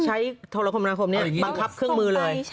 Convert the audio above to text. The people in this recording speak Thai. ใช้โทรคมบังคับเครื่องมือเลย